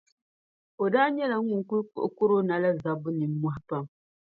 O daa nyɛla ŋun kuli kpiɣi korona la zabbu nimmohi pam.